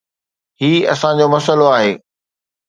هي اسان جو مسئلو آهي.